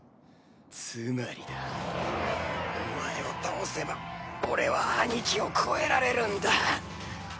つまりだお前を倒せば俺は兄貴を超えられるんだ。